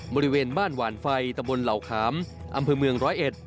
บริเวณบ้านหวานไฟตะบนเหล่าขามอำเภอเมืองร้อยเอ็ด